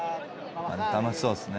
楽しそうですね。